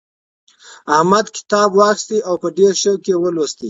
احمد کتاب واخیستی او په ډېر شوق یې ولوستی.